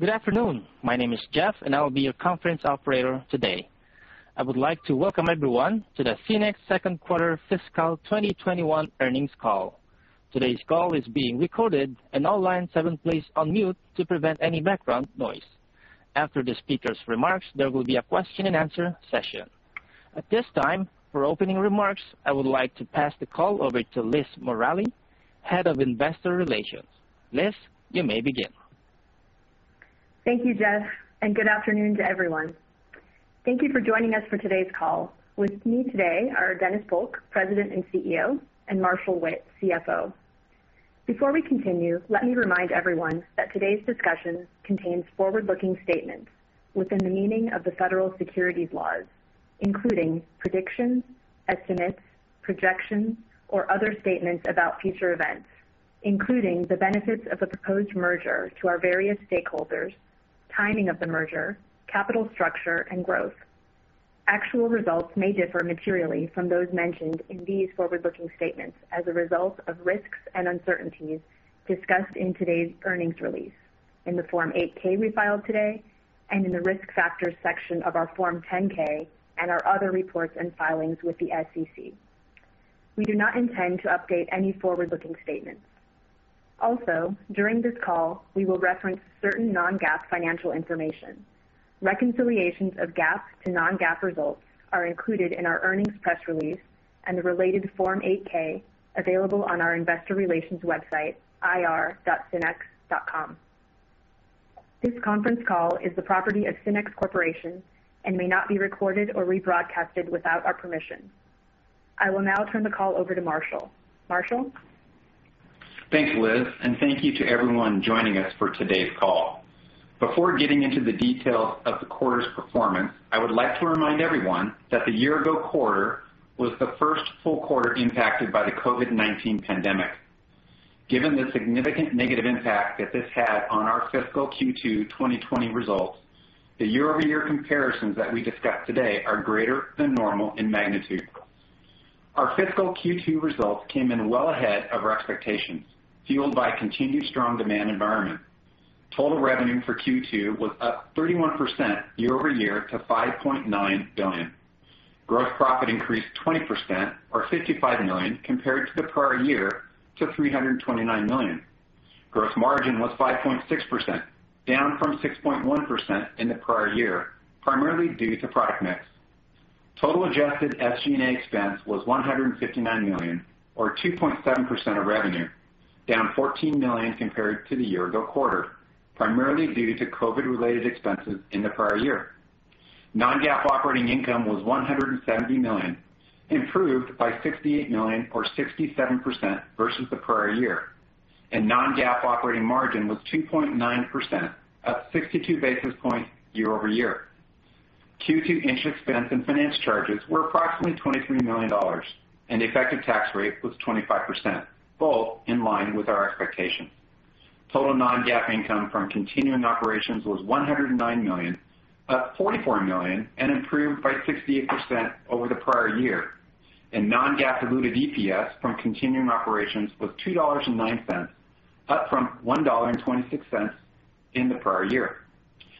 Good afternoon. My name is Jeff, and I will be your conference operator today. I would like to Welcome everyone to the SYNNEX second quarter fiscal 2021 earnings call. Today's call is being recorded, and all lines have been placed on mute to prevent any background noise. After the speakers' remarks, there will be a question and answer session. At this time, for opening remarks, I would like to pass the call over to Liz Morali, Head of Investor Relations. Liz, you may begin. Thank you, Jeff, and good afternoon to everyone. Thank you for joining us for today's call. With me today are Dennis Polk, President and CEO, and Marshall Witt, CFO. Before we continue, let me remind everyone that today's discussion contains forward-looking statements within the meaning of the federal securities laws, including predictions, estimates, projections, or other statements about future events, including the benefits of a proposed merger to our various stakeholders, timing of the merger, capital structure, and growth. Actual results may differ materially from those mentioned in these forward-looking statements as a result of risks and uncertainties discussed in today's earnings release, in the Form 8-K we filed today, and in the Risk Factors section of our Form 10-K and our other reports and filings with the SEC. We do not intend to update any forward-looking statements. During this call, we will reference certain non-GAAP financial information. Reconciliations of GAAP to non-GAAP results are included in our earnings press release and the related Form 8-K available on our investor relations website, ir.synnex.com. This conference call is the property of SYNNEX Corporation and may not be recorded or rebroadcasted without our permission. I will now turn the call over to Marshall. Marshall? Thanks, Liz. Thank you to everyone joining us for today's call. Before getting into the details of the quarter's performance, I would like to remind everyone that the year-ago quarter was the first full quarter impacted by the COVID-19 pandemic. Given the significant negative impact that this had on our fiscal Q2 2020 results, the year-over-year comparisons that we discuss today are greater than normal in magnitude. Our fiscal Q2 results came in well ahead of our expectations, fueled by continued strong demand environment. Total revenue for Q2 was up 31% year-over-year to $5.9 billion. Gross profit increased 20%, or $55 million compared to the prior year to $329 million. Gross margin was 5.6%, down from 6.1% in the prior year, primarily due to product mix. Total adjusted SG&A expense was $159 million, or 2.7% of revenue, down $14 million compared to the year-ago quarter, primarily due to COVID-related expenses in the prior year. Non-GAAP operating income was $170 million, improved by $58 million or 67% versus the prior year, and non-GAAP operating margin was 2.9%, up 62 basis points year-over-year. Q2 interest expense and finance charges were approximately $23 million, and effective tax rate was 25%, both in line with our expectations. Total non-GAAP income from continuing operations was $109 million, up $44 million and improved by 68% over the prior year, and non-GAAP diluted EPS from continuing operations was $2.09, up from $1.26 in the prior year.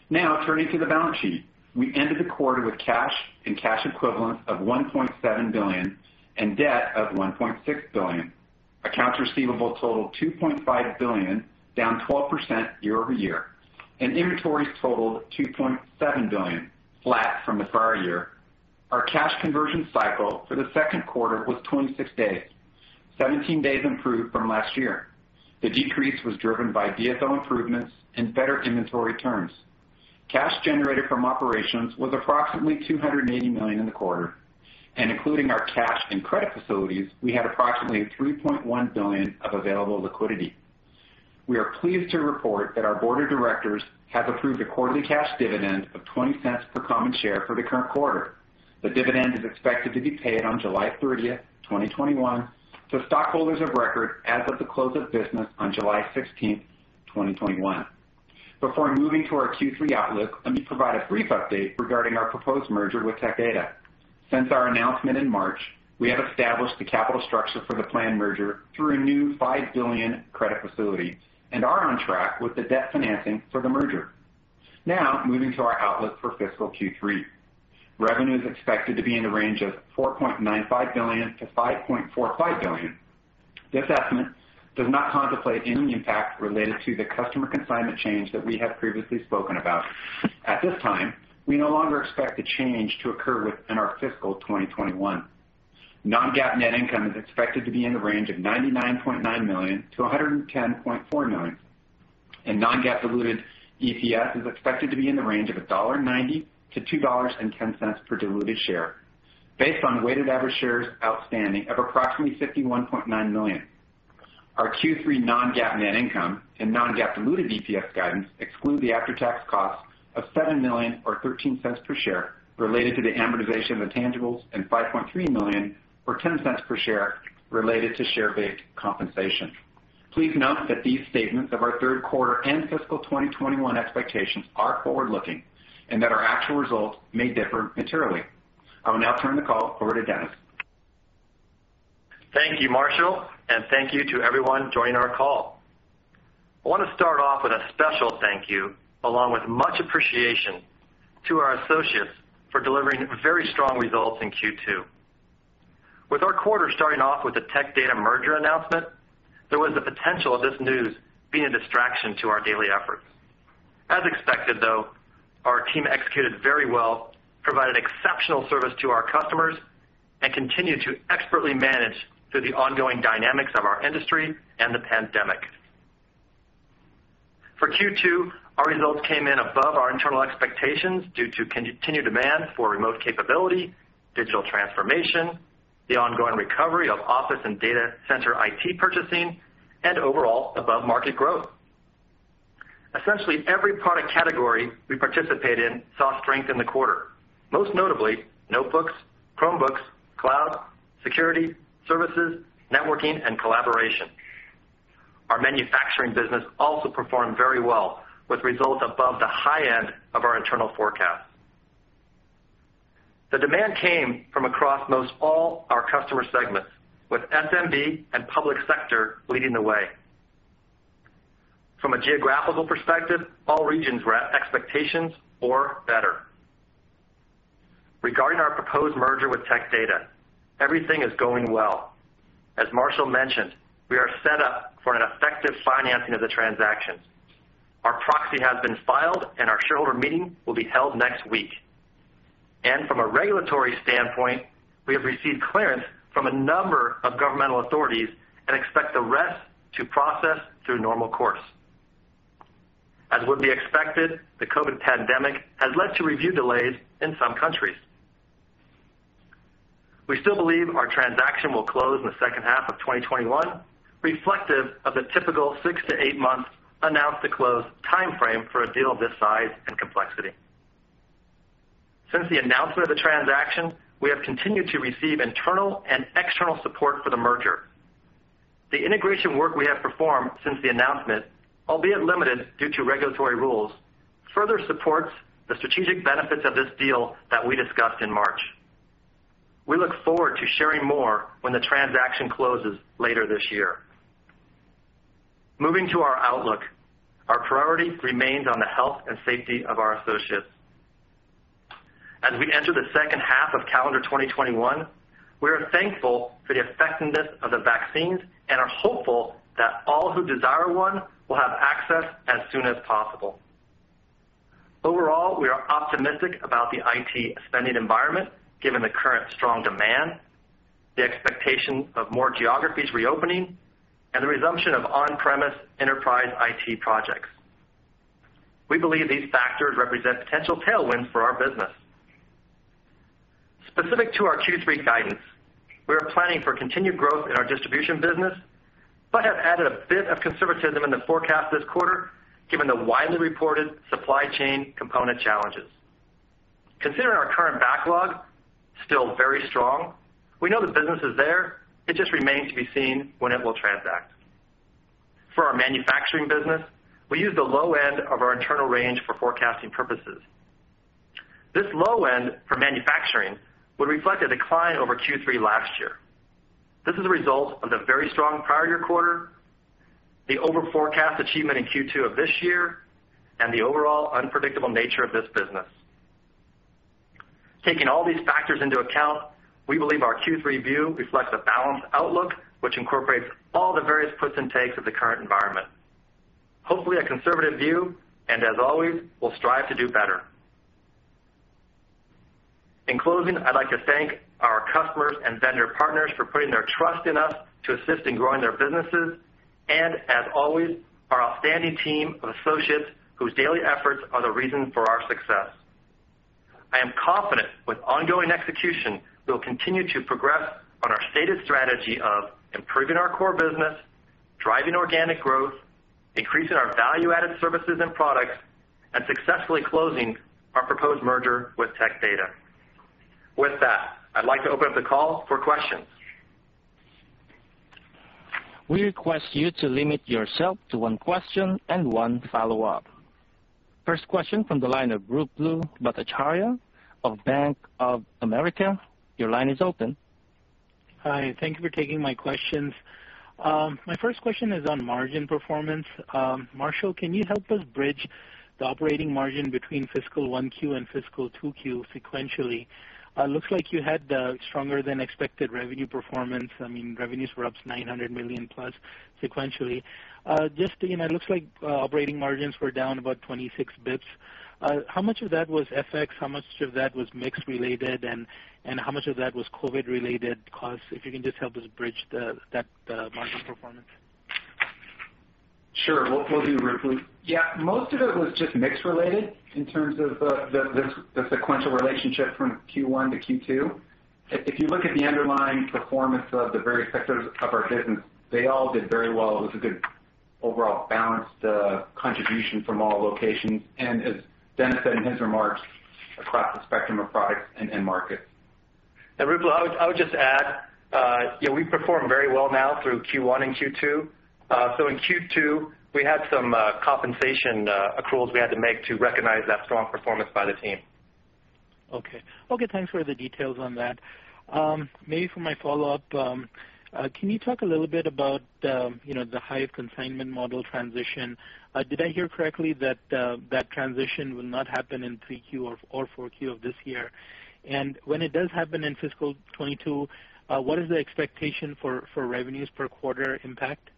Now turning to the balance sheet. We ended the quarter with cash and cash equivalents of $1.7 billion and debt of $1.6 billion. Accounts receivable totaled $2.5 billion, down 12% year-over-year, and inventories totaled $2.7 billion, flat from the prior year. Our cash conversion cycle for the second quarter was 26 days, 17 days improved from last year. The decrease was driven by DSO improvements and better inventory turns. Cash generated from operations was approximately $280 million in the quarter, and including our cash and credit facilities, we had approximately $3.1 billion of available liquidity. We are pleased to report that our board of directors has approved a quarterly cash dividend of $0.20 per common share for the current quarter. The dividend is expected to be paid on July 30th, 2021, to stockholders of record as of the close of business on July 15th, 2021. Before moving to our Q3 outlook, let me provide a brief update regarding our proposed merger with Tech Data. Since our announcement in March, we have established the capital structure for the planned merger through a new $5 billion credit facility and are on track with the debt financing for the merger. Moving to our outlook for fiscal Q3. Revenue is expected to be in the range of $4.95 billion-$5.45 billion. This estimate does not contemplate any impact related to the customer consignment change that we have previously spoken about. At this time, we no longer expect the change to occur within our fiscal 2021. Non-GAAP net income is expected to be in the range of $99.9 million-$110.4 million. Non-GAAP diluted EPS is expected to be in the range of $1.90-$2.10 per diluted share, based on weighted average shares outstanding of approximately 51.9 million. Our Q3 non-GAAP net income and non-GAAP diluted EPS guidance exclude the after-tax cost of $7 million, or $0.13 per share, related to the amortization of intangibles and $5.3 million, or $0.10 per share, related to share-based compensation. Please note that these statements of our third quarter and fiscal 2021 expectations are forward-looking and that our actual results may differ materially. I will now turn the call over to Dennis Thank you, Marshall, and thank you to everyone joining our call. I want to start off with a special thank you, along with much appreciation to our associates for delivering very strong results in Q2. With our quarter starting off with the Tech Data merger announcement, there was the potential of this news being a distraction to our daily efforts. As expected, though, our team executed very well, provided exceptional service to our customers, and continued to expertly manage through the ongoing dynamics of our industry and the pandemic. For Q2, our results came in above our internal expectations due to continued demand for remote capability, digital transformation, the ongoing recovery of office and data center IT purchasing, and overall above-market growth. Essentially every product category we participate in saw strength in the quarter, most notably notebooks, Chromebooks, cloud, security, services, networking, and collaboration. Our manufacturing business also performed very well, with results above the high end of our internal forecast. The demand came from across most all our customer segments, with SMB and public sector leading the way. From a geographical perspective, all regions were at expectations or better. Regarding our proposed merger with Tech Data, everything is going well. As Marshall mentioned, we are set up for an effective financing of the transaction. Our proxy has been filed, and our shareholder meeting will be held next week. From a regulatory standpoint, we have received clearance from a number of governmental authorities and expect the rest to process through normal course. As would be expected, the COVID-19 pandemic has led to review delays in some countries. We still believe our transaction will close in the second half of 2021, reflective of the typical six to eight months announce-to-close timeframe for a deal of this size and complexity. Since the announcement of the transaction, we have continued to receive internal and external support for the merger. The integration work we have performed since the announcement, albeit limited due to regulatory rules, further supports the strategic benefits of this deal that we discussed in March. We look forward to sharing more when the transaction closes later this year. Moving to our outlook, our priorities remained on the health and safety of our associates. As we enter the second half of calendar 2021, we are thankful for the effectiveness of the vaccines and are hopeful that all who desire one will have access as soon as possible. Overall, we are optimistic about the IT spending environment, given the current strong demand, the expectation of more geographies reopening, and the resumption of on-premise enterprise IT projects. We believe these factors represent potential tailwinds for our business. Specific to our Q3 guidance, we are planning for continued growth in our distribution business, but have added a bit of conservatism in the forecast this quarter given the widely reported supply chain component challenges. Considering our current backlog, still very strong, we know the business is there, it just remains to be seen when it will transact. For our manufacturing business, we use the low end of our internal range for forecasting purposes. This low end for manufacturing would reflect a decline over Q3 last year. This is a result of the very strong prior year quarter, the over-forecast achievement in Q2 of this year, and the overall unpredictable nature of this business. Taking all these factors into account, we believe our Q3 view reflects a balanced outlook, which incorporates all the various puts and takes of the current environment. Hopefully a conservative view, and as always, we'll strive to do better. In closing, I'd like to thank our customers and vendor partners for putting their trust in us to assist in growing their businesses, and as always, our outstanding team of associates whose daily efforts are the reason for our success. I am confident with ongoing execution, we'll continue to progress on our stated strategy of improving our core business, driving organic growth, increasing our value-added services and products, and successfully closing our proposed merger with Tech Data. With that, I'd like to open up the call for questions. We request you to limit yourself to one question and one follow-up. First question from the line of Ruplu Bhattacharya of Bank of America. Your line is open. Hi, thank you for taking my questions. My first question is on margin performance. Marshall, can you help us bridge the operating margin between fiscal 1Q and fiscal 2Q sequentially? Looks like you had the stronger than expected revenue performance. I mean revenues were up $900 million+ sequentially. It looks like operating margins were down about 26 bps. How much of that was FX? How much of that was mix related, and how much of that was COVID-19 related cost? If you can just help us bridge that margin performance. Sure. Will do, Ruplu. Most of it was just mix related in terms of the sequential relationship from Q1 to Q2. If you look at the underlying performance of the various sectors of our business, they all did very well. It was a good overall balanced contribution from all locations and has [benefited], in his remarks, across a spectrum of products and end markets. Ruplu, I would just add, we performed very well now through Q1 and Q2. In Q2, we had some compensation accruals we had to make to recognize that strong performance by the team. Okay. Thanks for the details on that. Maybe for my follow-up, can you talk a little bit about the Hyve consignment model transition? Did I hear correctly that that transition will not happen in 3Q or 4Q of this year? When it does happen in fiscal 2022, what is the expectation for revenues per quarter impact?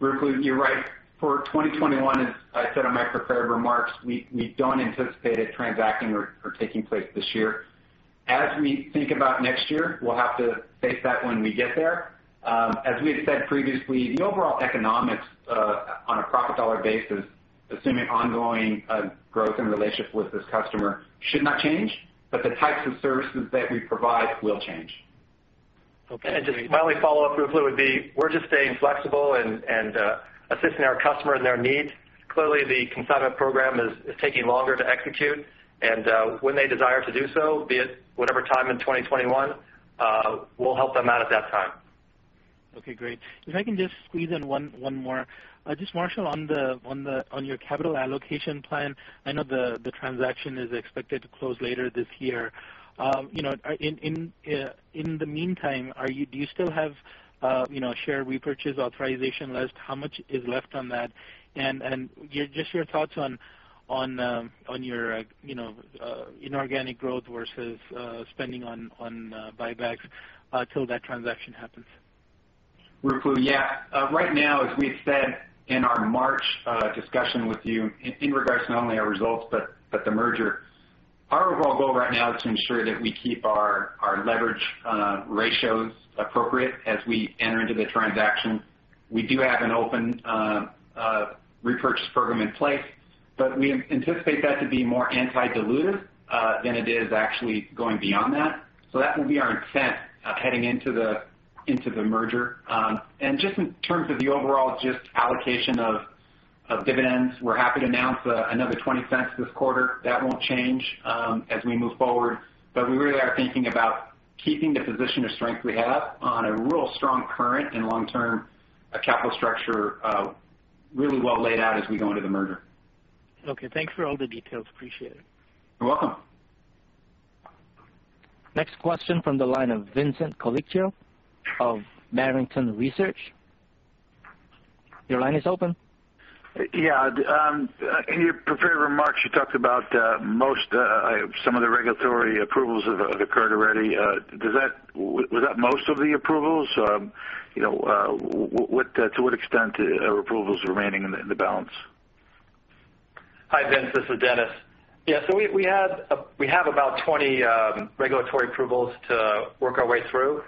Ruplu, you're right. For 2021, as I said in my prepared remarks, we don't anticipate a transaction taking place this year. We think about next year, we'll have to take that when we get there. We had said previously, the overall economics on a profit dollar basis, assuming ongoing growth in relationship with this customer, should not change, but the types of services that we provide will change. Okay. My only follow-up, Ruplu, would be we're just staying flexible and assisting our customer and their needs. Clearly, the consignment program is taking longer to execute, and when they desire to do so, be it whatever time in 2021, we'll help them out at that time. Okay, great. If I can just squeeze in one more. Just Marshall, on your capital allocation plan, I know the transaction is expected to close later this year. In the meantime, do you still have share repurchase authorization left? How much is left on that? Just your thoughts on your inorganic growth versus spending on buybacks till that transaction happens. Ruplu, yeah. Right now, as we've said in our March discussion with you in regards to not only our results but the merger, our overall goal right now is to ensure that we keep our leverage ratios appropriate as we enter into the transaction. We do have an open repurchase program in place, but we anticipate that to be more anti-dilutive than it is actually going beyond that. That will be our intent heading into the merger. Just in terms of the overall allocation of dividends, we're happy to announce another $0.20 this quarter. That won't change as we move forward, but we really are thinking about keeping the position of strength we have on a real strong current and long-term capital structure really well laid out as we go into the merger. Okay. Thanks for all the details. Appreciate it. You're welcome. Next question from the line of Vincent Colicchio of Barrington Research. Your line is open. Yeah. In your prepared remarks, you talked about some of the regulatory approvals have occurred already. Was that most of the approvals? To what extent are approvals remaining in the balance? Hi, Vince, this is Dennis. Yeah. We have about 20 regulatory approvals to work our way through.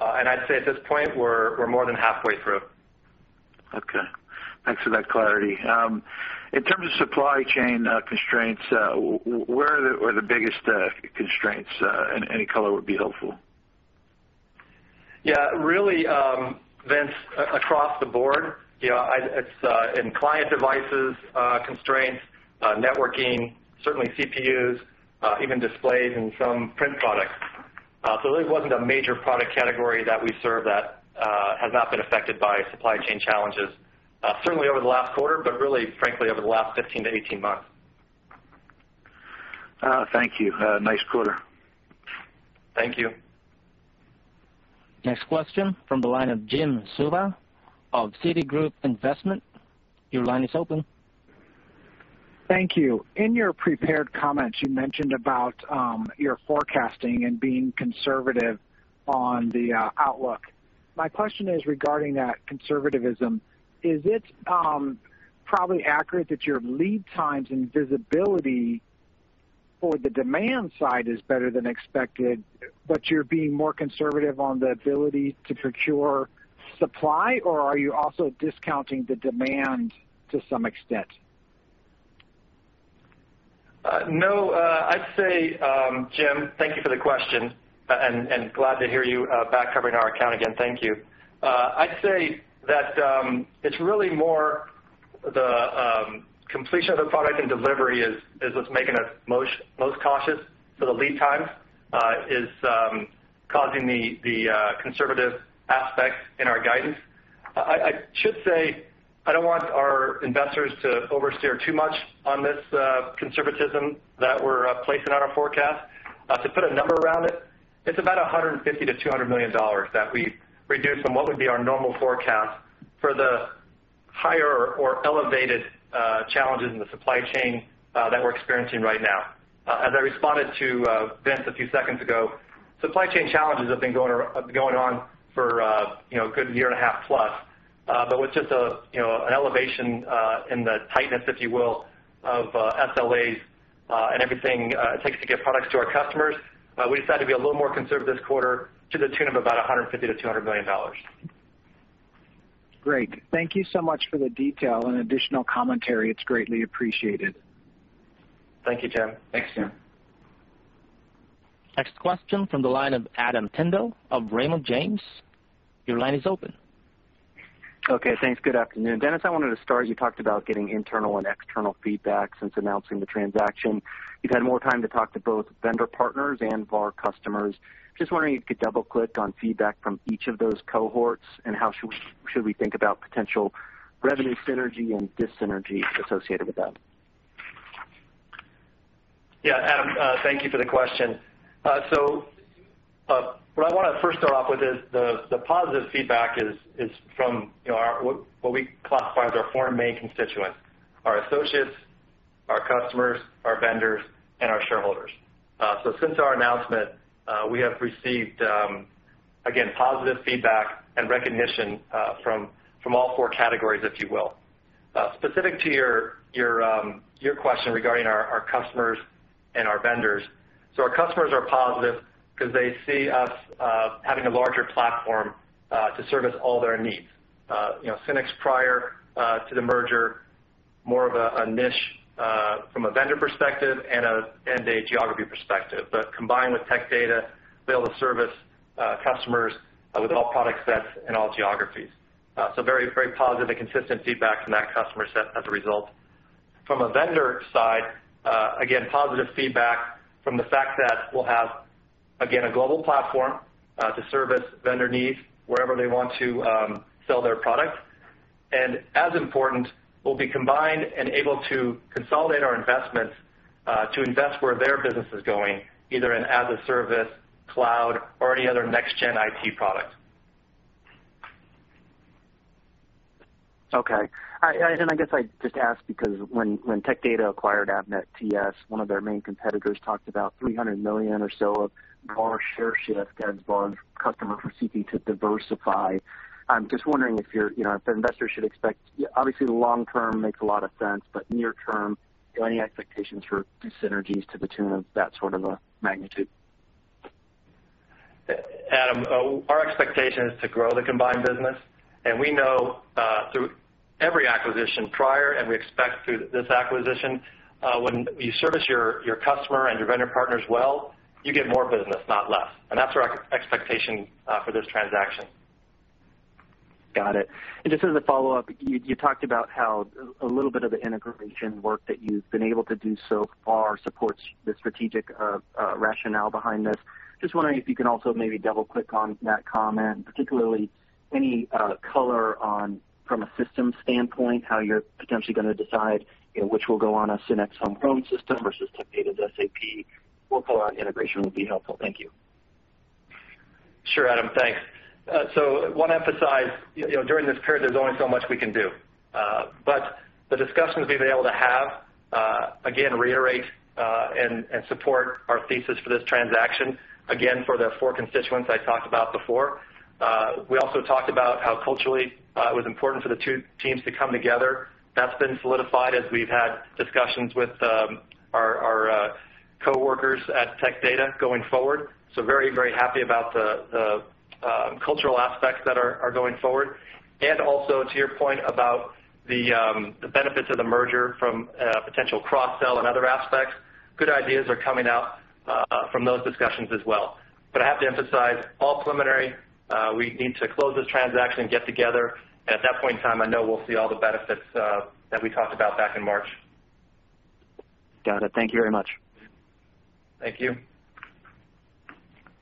I'd say at this point, we're more than halfway through. Okay, thanks for that clarity. In terms of supply chain constraints, where are the biggest constraints? Any color would be helpful. Yeah. Really, Vince, across the board. It's in client devices constraints, networking, certainly CPUs, even displays and some print products. There really wasn't a major product category that we serve that has not been affected by supply chain challenges. Certainly over the last quarter, but really frankly, over the last 15-18 months. Thank you. Nice quarter. Thank you. Next question from the line of Jim Suva of Citigroup Investment. Your line is open. Thank you. In your prepared comments, you mentioned about your forecasting and being conservative on the outlook. My question is regarding that conservatism. Is it probably accurate that your lead times and visibility for the demand side is better than expected, but you're being more conservative on the ability to procure supply, or are you also discounting the demand to some extent? No. Jim, thank you for the question, and glad to hear you back covering our account again. Thank you. I'd say that it's really more the completion of the product and delivery is what's making us most cautious. The lead times is causing the conservative aspect in our guidance. I should say I don't want our investors to oversteer too much on this conservatism that we're placing on our forecast. To put a number around it's about $150 million-$200 million that we reduce from what would be our normal forecast for the higher or elevated challenges in the supply chain that we're experiencing right now. As I responded to Vince a few seconds ago, supply chain challenges have been going on for a good year and a half plus. With just an elevation in the tightness, if you will, of SLAs and everything it takes to get products to our customers, we decided to be a little more conservative this quarter to the tune of about $150 million-$200 million. Great. Thank you so much for the detail and additional commentary. It's greatly appreciated. Thank you, Jim. Next question from the line of Adam Tindle of Raymond James. Your line is open. Okay, thanks. Good afternoon. Dennis, I wanted to start, you talked about getting internal and external feedback since announcing the transaction. You've had more time to talk to both vendor partners and VAR customers. Just wondering if you could double-click on feedback from each of those cohorts and how should we think about potential revenue synergy and dyssynergy associated with that? Yeah, Adam, thank you for the question. What I want to first off with is the positive feedback is from what we classify as our four main constituents, our associates, our customers, our vendors, and our shareholders. Since our announcement, we have received, again, positive feedback and recognition from all four categories, if you will. Specific to your question regarding our customers and our vendors. Our customers are positive because they see us having a larger platform to service all their needs. SYNNEX prior to the merger, more of a niche from a vendor perspective and a geography perspective. Combined with Tech Data, be able to service customers with all product sets and all geographies. Very positive, consistent feedback from that customer set as a result. From a vendor side, again, positive feedback from the fact that we'll have, again, a global platform to service vendor needs wherever they want to sell their product, and as important, we'll be combined and able to consolidate our investments to invest where their business is going, either in as a service, cloud, or any one other next-gen IT product. Okay. I guess I just ask because when Tech Data acquired Avnet TS, one of their main competitors talked about $300 million or so of dollar share shift as some customer seeking to diversify. I am just wondering if investors should expect, obviously, the long term makes a lot of sense, but near term, any expectations for synergies to the tune of that sort of a magnitude? Adam, our expectation is to grow the combined business, and we know through every acquisition prior, and we expect through this acquisition, when you service your customer and your vendor partners well, you get more business, not less. That's our expectation for this transaction. Got it. Just as a follow-up, you talked about how a little bit of the integration work that you've been able to do so far supports the strategic rationale behind this. Just wondering if you can also maybe double-click on that comment, particularly any color on, from a systems standpoint, how you're potentially going to decide which will go on a SYNNEX homegrown system versus Tech Data's SAP. Overall integration would be helpful. Thank you. Sure, Adam, thanks. I want to emphasize, during this period, there's only so much we can do. The discussions we've been able to have, again, reiterate, and support our thesis for this transaction, again, for the four constituents I talked about before. We also talked about how culturally it was important for the two teams to come together. That's been solidified as we've had discussions with our coworkers at Tech Data going forward. Very, very happy about the cultural aspects that are going forward. Also to your point about the benefits of the merger from a potential cross-sell and other aspects, good ideas are coming out from those discussions as well. I have to emphasize, all preliminary. We need to close this transaction and get together. At that point in time, I know we'll see all the benefits that we talked about back in March. Got it. Thank you very much. Thank you.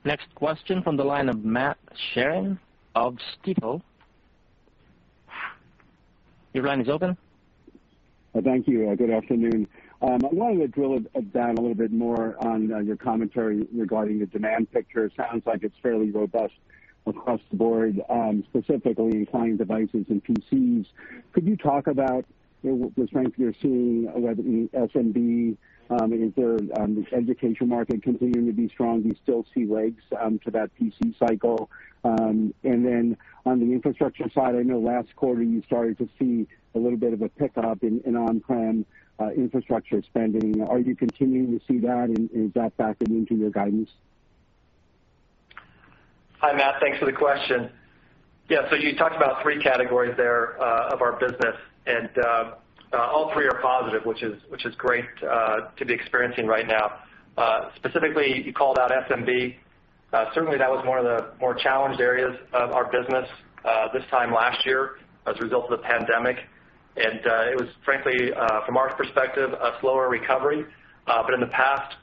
Next question from the line of Matt Sheerin of Stifel. Your line is open. Thank you. Good afternoon. I wanted to drill down a little bit more on your commentary regarding the demand picture. It sounds like it's fairly robust across the board, specifically in client devices and PCs. Could you talk about the strength you're seeing, whether it be SMB? Is their education market continuing to be strong and still see legs to that PC cycle? On the infrastructure side, I know last quarter you started to see a little bit of a pickup in on-prem infrastructure spending. Are you continuing to see that, and is that factored into your guidance? Hi, Matt. Thanks for the question. Yeah, you talked about three categories there of our business, and all three are positive, which is great to be experiencing right now. Specifically, you called out SMB. Certainly, that was one of the more challenged areas of our business this time last year as a result of the pandemic, and it was frankly, from our perspective, a slower recovery. In the past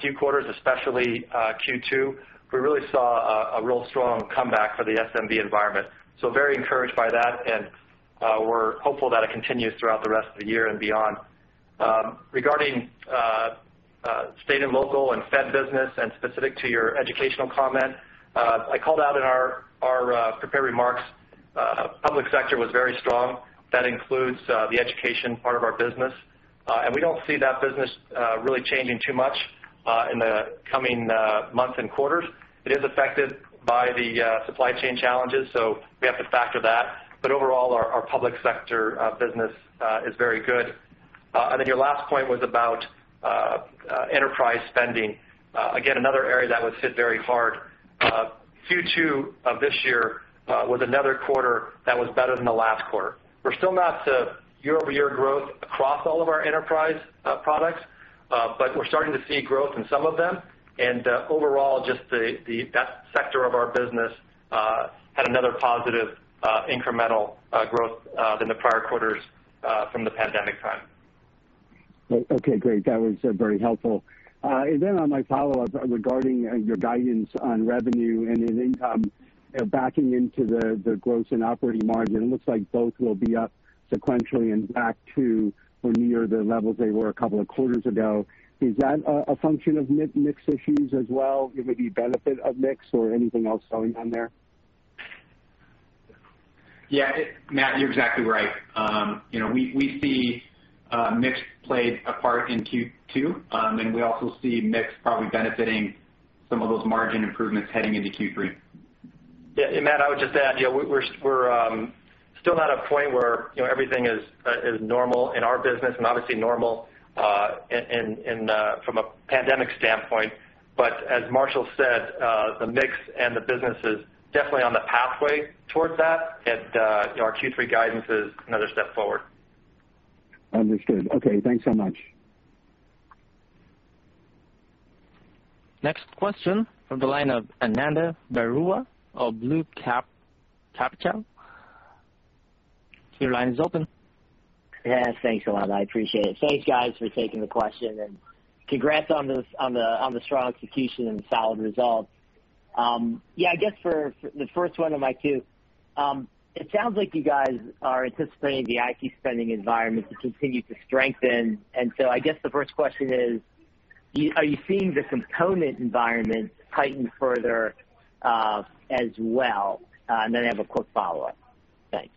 few quarters, especially Q2, we really saw a real strong comeback for the SMB environment. Very encouraged by that, and we're hopeful that continues throughout the rest of the year and beyond. Regarding state and local and Fed business and specific to your educational comment, I called out in our prepared remarks, public sector was very strong. That includes the education part of our business. We don't see that business really changing too much in the coming months and quarters. It is affected by the supply chain challenges, so we have to factor that. Overall, our public sector business is very good. Your last point was about enterprise spending. Again, another area that was hit very hard. Q2 of this year was another quarter that was better than the last quarter. We're still not to year-over-year growth across all of our enterprise products, but we're starting to see growth in some of them, and overall, just that sector of our business had another positive incremental growth than the prior quarters from the pandemic time. Okay, great. That was very helpful. On my follow-up regarding your guidance on revenue and income, backing into the gross and operating margin, it looks like both will be up sequentially and back to or near the levels they were a couple of quarters ago. Is that a function of mix issues as well? Maybe benefit of mix or anything else going on there? Yeah, Matt, you're exactly right. We see mix played a part in Q2, and we also see mix probably benefiting some of those margin improvements heading into Q3. Yeah, Matt, I would just add, we're still at a point where everything is normal in our business, and obviously normal from a pandemic standpoint, but as Marshall said, the mix and the business is definitely on the pathway towards that, and our Q3 guidance is another step forward. Understood. Okay, thanks so much. Next question from the line of Ananda Baruah of Loop Capital. Your line is open. Ananda, thanks so much. I appreciate it. Thanks, guys, for taking the question, and congrats on the strong execution and solid results. Yeah, I guess for the first one of my two, it sounds like you guys are anticipating the IT spending environment to continue to strengthen, and so I guess the first question is, are you seeing the component environment tighten further as well? I have a quick follow-up. Thanks.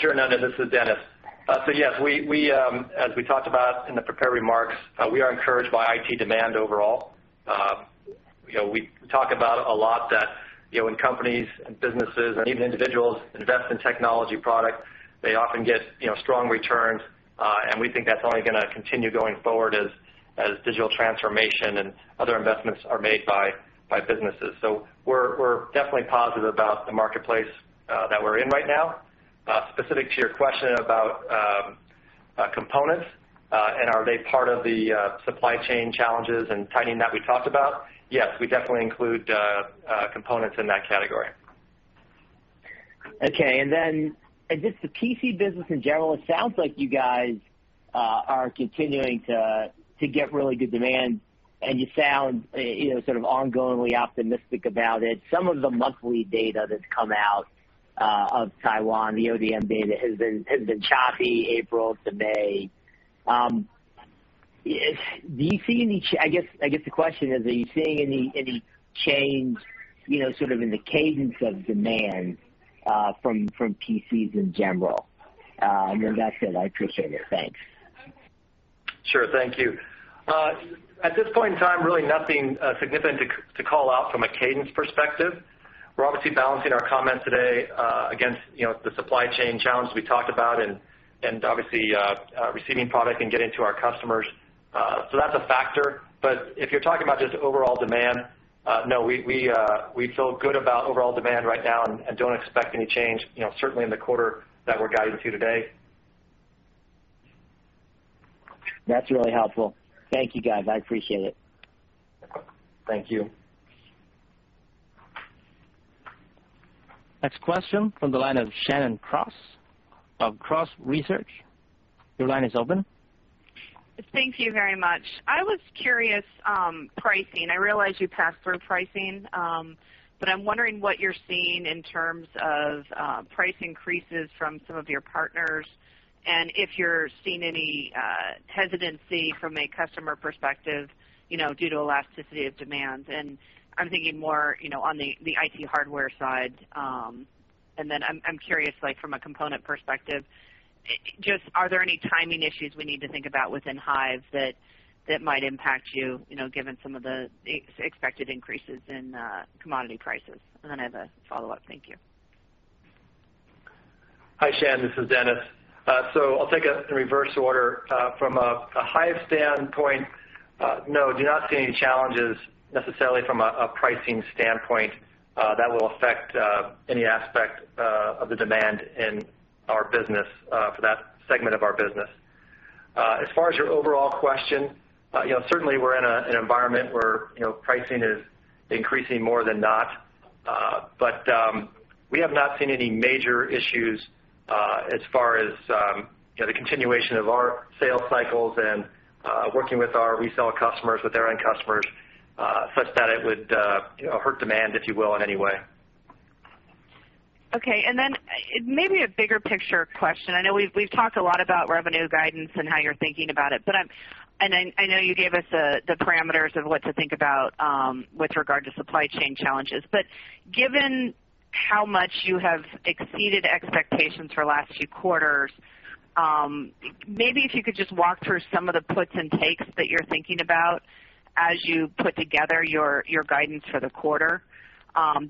Sure, Ananda, this is Dennis. Yes, as we talked about in the prepared remarks, we are encouraged by IT demand overall. We talk about a lot that when companies and businesses and even individuals invest in technology products, they often get strong returns, and we think that's only going to continue going forward as digital transformation and other investments are made by businesses. We're definitely positive about the marketplace that we're in right now. Specific to your question about components and are they part of the supply chain challenges and tightening that we talked about, yes, we definitely include components in that category. Okay, I guess the PC business in general, it sounds like you guys are continuing to get really good demand, and you sound sort of ongoingly optimistic about it. Some of the monthly data that's come out of Taiwan, the ODM data, has been choppy April to May. I guess the question is, are you seeing any change in the cadence of demand from PCs in general? That's it. I appreciate it. Thanks. Sure. Thank you. At this point in time, really nothing significant to call out from a cadence perspective. We're obviously balancing our comments today against the supply chain challenge we talked about and obviously receiving product and getting it to our customers. That's a factor. If you're talking about just overall demand, no, we feel good about overall demand right now and don't expect any change, certainly in the quarter that we're guiding to today. That's really helpful. Thank you, guys. I appreciate it. Thank you. Next question from the line of Shannon Cross of Cross Research. Your line is open. Thank you very much. I was curious, pricing. I realize you [passed] for pricing, but I'm wondering what you're seeing in terms of price increases from some of your partners and if you're seeing any hesitancy from a customer perspective, due to elasticity of demand. I'm thinking more on the IT hardware side. Then I'm curious from a component perspective, just are there any timing issues we need to think about within Hyve that might impact you, given some of the expected increases in commodity prices? Then I have a follow-up. Thank you. Hi, Shannon. This is Dennis. I'll take it in reverse order. From a Hyve standpoint, no, do not see any challenges necessarily from a pricing standpoint that will affect any aspect of the demand in our business for that segment of our business. As far as your overall question, certainly we're in an environment where pricing is increasing more than not, but we have not seen any major issues as far as the continuation of our sales cycles and working with our reseller customers, with their end customers, such that it would hurt demand, if you will, in any way. Maybe a bigger picture question. I know we've talked a lot about revenue guidance and how you're thinking about it, I know you gave us the parameters of what to think about with regard to supply chain challenges, given how much you have exceeded expectations for the last few quarters, maybe if you could just walk through some of the puts and takes that you're thinking about as you put together your guidance for the quarter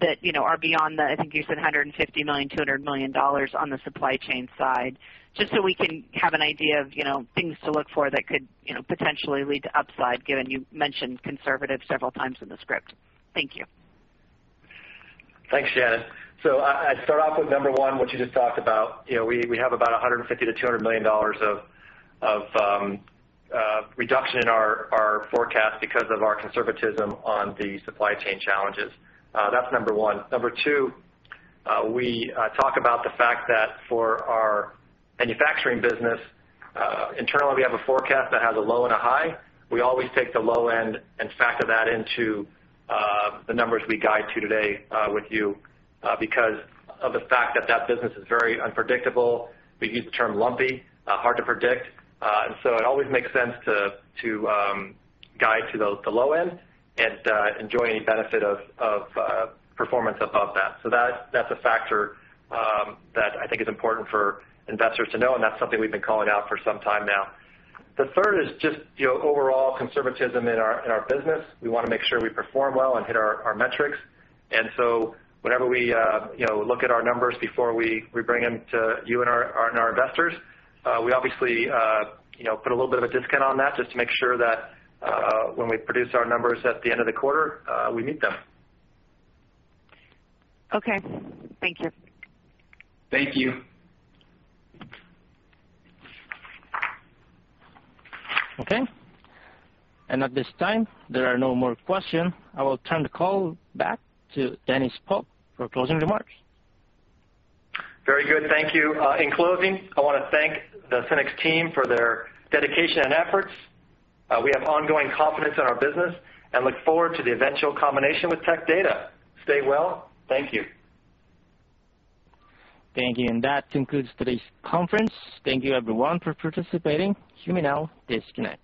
that are beyond the, I think you said $150 million, $200 million on the supply chain side, so we can have an idea of things to look for that could potentially lead to upside, given you mentioned conservative several times in the script. Thank you. Thanks, Shannon. I'd start off with number one, which you just talked about. We have about $150 million-$200 million of reduction in our forecast because of our conservatism on the supply chain challenges. That's number one. Number two, we talk about the fact that for our manufacturing business, internally we have a forecast that has a low and a high. We always take the low end and factor that into the numbers we guide to today with you because of the fact that that business is very unpredictable. We use the term lumpy, hard to predict. It always makes sense to guide to the low end and enjoy any benefit of performance above that. That's a factor that I think is important for investors to know, and that's something we've been calling out for some time now. The third is just overall conservatism in our business. We want to make sure we perform well and hit our metrics, and so whenever we look at our numbers before we bring them to you and our investors, we obviously put a little bit of a discount on that just to make sure that when we produce our numbers at the end of the quarter, we meet them. Okay. Thank you. Thank you. Okay. At this time, there are no more questions. I will turn the call back to Dennis Polk for closing remarks. Very good. Thank you. In closing, I want to thank the SYNNEX team for their dedication and efforts. We have ongoing confidence in our business and look forward to the eventual combination with Tech Data. Stay well. Thank you. Thank you. That concludes today's conference. Thank you, everyone, for participating. You may now disconnect.